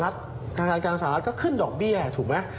ธากาศาลัทธ์ก็ขึ้นดอกเบี้ยถูกไหม